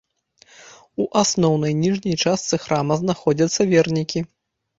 У асноўнай, ніжняй частцы храма знаходзяцца вернікі.